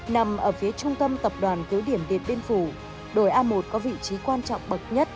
nằm ở phía trung tâm tập đoàn cứu điểm điện biên phủ đồi a một có vị trí quan trọng bậc nhất